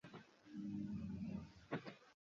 আমার যে কিছু নেই মানিক আমার!